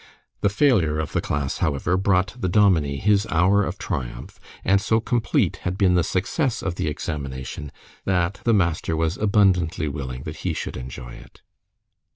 The failure of the class, however, brought the dominie his hour of triumph, and so complete had been the success of the examination that the master was abundantly willing that he should enjoy it.